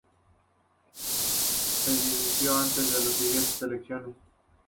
Se disolvió antes de las siguientes elecciones.